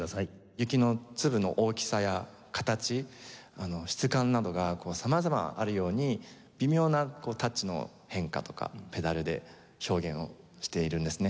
雪の粒の大きさや形質感などが様々あるように微妙なタッチの変化とかペダルで表現をしているんですね。